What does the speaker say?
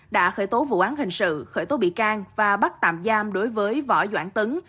đã khởi tố vụ án hình sự khởi tố bị can và bắt tạm giam đối với võ doãn tấn